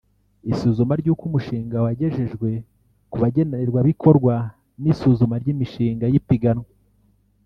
isuzuma ry’uko umushinga wagejejwe ku bagenerwabikorwa n’isuzuma ry’imishinga y’ipiganwa